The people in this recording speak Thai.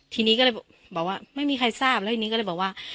ทีนี้ก็เลยบอกว่าไม่มีใครทราบแล้วทีนี้ก็เลยบอกว่า